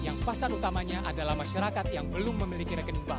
yang pasar utamanya adalah masyarakat yang belum memiliki rekening bank